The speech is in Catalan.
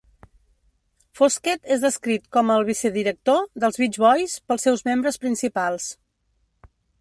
Foskett és descrit com el "vicedirector" dels Beach Boys pels seus membres principals.